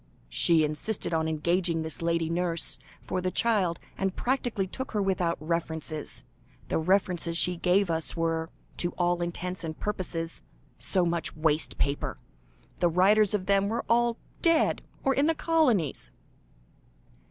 "She insisted on engaging this lady nurse for the child, and practically took her without references. The references she gave us, were, to all intents and purposes, so much waste paper. The writers of them were all dead, or in the colonies."